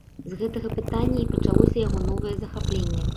З гэтага пытання і пачалося яго новае захапленне.